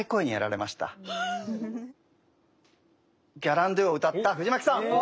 「ギャランドゥ」を歌った藤牧さん。